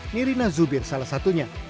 nirina zubir salah satunya